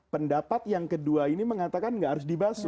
pendapat yang kedua ini mengatakan gak harus dibasuh